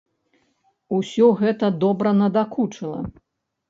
Усё гэта добра надакучыла.